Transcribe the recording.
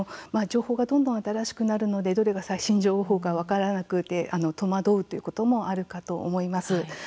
情報がどんどん新しくなるのでどれが最新情報か分からなくて戸惑うということもあるかと思います。